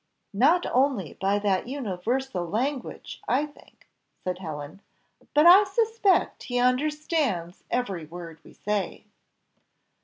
"Not only by that universal language, I think," said Helen; "but I suspect he understands every word we say."